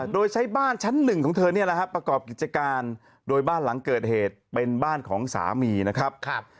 โดยใช้บ้านชั้นหนึ่งของเธอประกอบกิจการโดยบ้านหลังเกิดเหตุเป็นบ้านของสามีนะครับ